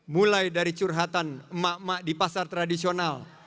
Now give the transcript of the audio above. mulai dari curhatan emak emak di pasar tradisional